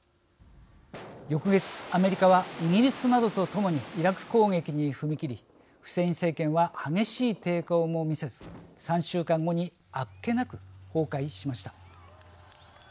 翌月、アメリカはイギリスなどとともにイラク攻撃に踏み切りフセイン政権は激しい抵抗も見せず、３週間後にあっけなく崩壊しました。